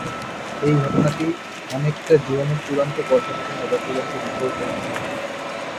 এই ঘটনাটি অনেকটা জীবনের চূড়ান্ত পর্যালোচনা বা চূড়ান্ত রিপোর্ট এর মত।